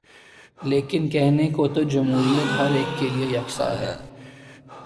لیکن کہنے کو تو جمہوریت ہر ایک کیلئے یکساں ہے۔